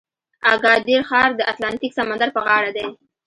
اګادیر ښار د اتلانتیک سمندر په غاړه دی.